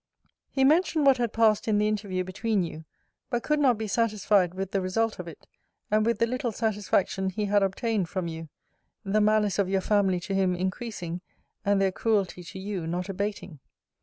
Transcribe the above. He mentioned what had passed in the interview between you: but could not be satisfied with the result of it, and with the little satisfaction he had obtained from you: the malice of your family to him increasing, and their cruelty to you not abating.